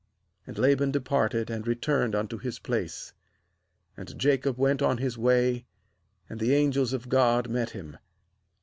And Laban departed, and returned unto his place. 2And Jacob went on his way, and the angels of God met him.